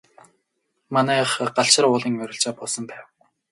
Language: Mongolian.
Манайх Галшар уулын ойролцоо буусан байв.